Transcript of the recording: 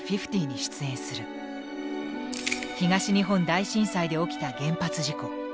東日本大震災で起きた原発事故。